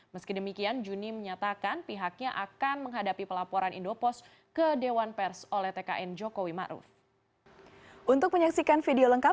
meski demikian juni menyatakan pihaknya akan menghadapi pelaporan indopos ke dewan pers oleh tkn jokowi ⁇ maruf ⁇